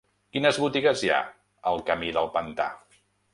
Quines botigues hi ha al camí del Pantà?